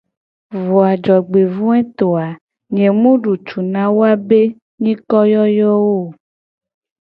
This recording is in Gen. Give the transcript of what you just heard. Vo a jogbevoeto a nye mu du tu na woabe be nyikoyoyowo o.